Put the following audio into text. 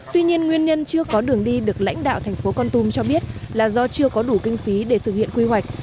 tuy nhiên nguyên nhân chưa có đường đi được lãnh đạo thành phố con tum cho biết là do chưa có đủ kinh phí để thực hiện quy hoạch